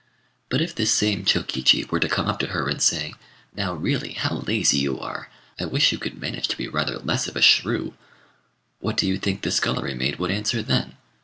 But if this same Chokichi were to come up to her and say, "Now, really, how lazy you are! I wish you could manage to be rather less of a shrew," what do you think the scullery maid would answer then?